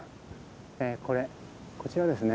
これこちらはですね